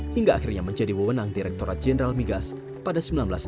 hingga akhirnya menjadi wewenang direkturat jenderal migas pada seribu sembilan ratus sembilan puluh